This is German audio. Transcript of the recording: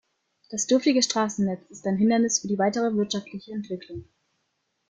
Das dürftige Straßennetz ist ein Hindernis für die weitere wirtschaftliche Entwicklung.